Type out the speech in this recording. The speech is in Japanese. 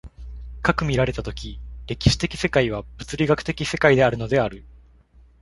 斯く見られた時、歴史的世界は物理学的世界であるのである、